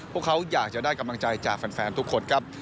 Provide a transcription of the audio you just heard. พวกเขาอยากจะได้กำลังใจจากแฟนทุกคนครับ